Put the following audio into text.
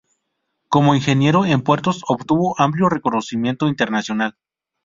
Como ingeniero en puertos, obtuvo amplio reconocimiento internacional.